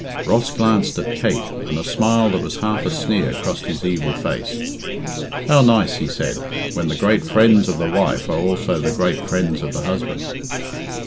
Ross glanced at Kate, and a smile that was half a sneer crossed his evil face. "How nice," he said, "when the great friends of the wife are also the great friends of the husband."